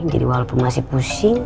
jadi walaupun masih pusing